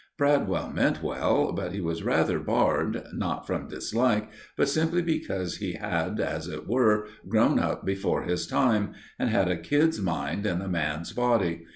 Bradwell meant well, but he was rather barred, not from dislike, but simply because he had, as it were, grown up before his time, and had a kid's mind in a man's body.